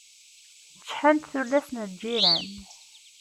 Ččḥent tullas n lǧiran.